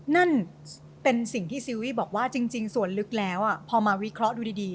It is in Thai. นั่นเป็นสิ่งที่ซีรีส์บอกว่าจริงส่วนลึกแล้วพอมาวิเคราะห์ดูดี